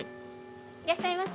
いらっしゃいませ。